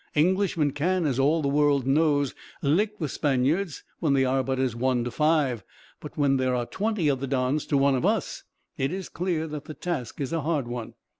Englishmen can, as all the world knows, lick the Spaniards when they are but as one to five; but when there are twenty of the Dons to one of us, it is clear that the task is a hard one.